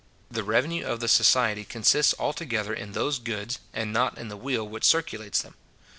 The revenue of the society consists altogether in those goods, and not in the wheel which circulates them.